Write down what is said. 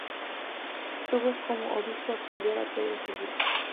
Tuvo como obispo auxiliar a Pedro Segura.